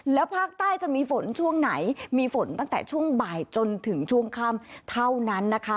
แล้วภาคใต้จะมีฝนช่วงไหนมีฝนตั้งแต่ช่วงบ่ายจนถึงช่วงค่ำเท่านั้นนะคะ